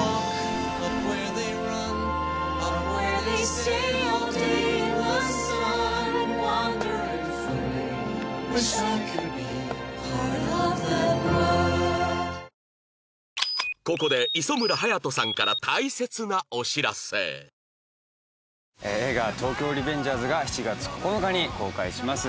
じゃあさここで映画『東京リベンジャーズ』が７月９日に公開します。